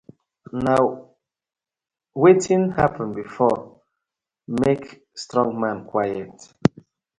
Na wetin happen before, make strong man quiet: